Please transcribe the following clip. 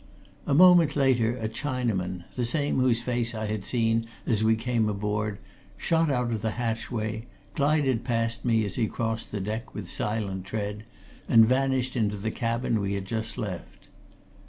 A moment later a Chinaman, the same whose face I had seen as we came aboard, shot out of the hatchway, glided past me as he crossed the deck with silent tread, and vanished into the cabin we had just left.